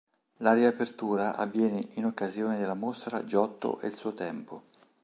La riapertura avviene in occasione della mostra “Giotto e il suo tempo”.